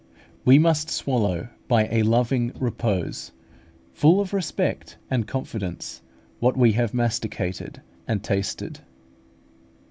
We must swallow by a loving repose (full of respect and confidence) what we have masticated and tasted.